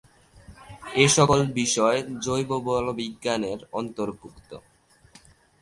এসকল বিষয় জৈব বলবিজ্ঞানের অন্তর্ভুক্ত।